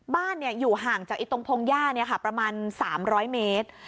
บ้านอยู่ห่างจากตรงพร้อมย่านี่คะประมาณ๓๐๐เมตร